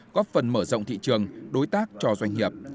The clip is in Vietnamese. góp phần mở rộng thị trường đối tác cho doanh nghiệp